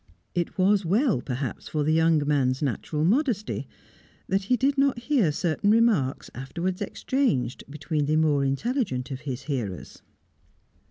It was well, perhaps, for the young man's natural modesty, that he did not hear certain remarks afterwards exchanged between the more intelligent of his hearers.